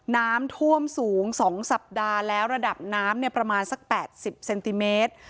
น้ำท่วมสูง๒สัปดาห์แล้วระดับน้ำเนี่ยประมาณสัก๘๐เซนติเมตร